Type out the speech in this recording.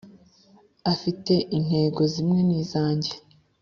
Afite intego zimwe nizanjye.